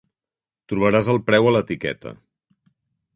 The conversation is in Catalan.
Trobaràs el preu a l'etiqueta.